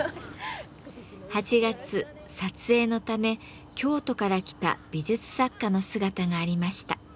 ８月撮影のため京都から来た美術作家の姿がありました。